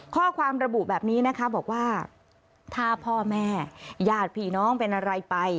ข้อความระบุแบบนี้นะคะบอกว่าถ้าพ่อแม่ญาติพี่น้องเป็นอะไรไป